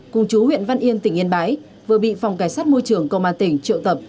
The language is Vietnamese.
cùng chú huyện văn yên tỉnh yên bái vừa bị phòng cảnh sát môi trường công an tỉnh triệu tập